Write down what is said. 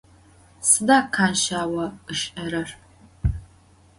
Sıda Khanşsao ış'erer?